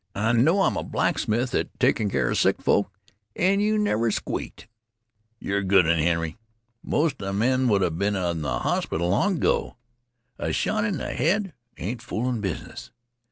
"I know I'm a blacksmith at takin' keer 'a sick folks, an' yeh never squeaked. Yer a good un, Henry. Most 'a men would a' been in th' hospital long ago. A shot in th' head ain't foolin' business."